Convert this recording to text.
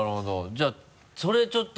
じゃあそれちょっと。